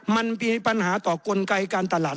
มันมีปัญหาต่อกลไกการตลาด